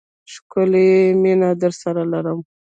ښکلی یې، مینه درسره لرم